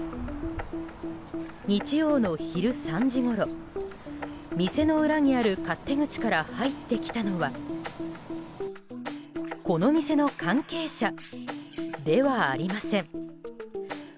日曜の昼３時ごろ店の裏にある勝手口から入ってきたのはこの店の関係者ではありません。